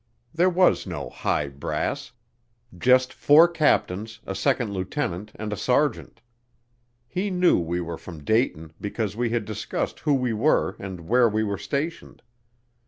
There was no "high brass," just four captains, a second lieutenant, and a sergeant. He knew we were from Dayton because we had discussed who we were and where we were stationed.